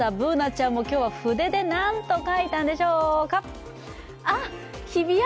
Ｂｏｏｎａちゃんも今日は筆で何と書いたんでしょうか？